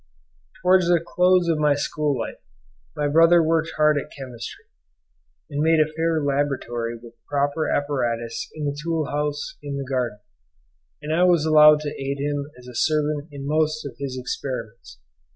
Towards the close of my school life, my brother worked hard at chemistry, and made a fair laboratory with proper apparatus in the tool house in the garden, and I was allowed to aid him as a servant in most of his experiments.